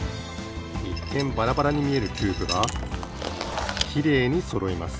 いっけんバラバラにみえるキューブがきれいにそろいます。